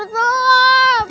tonga juga udah telat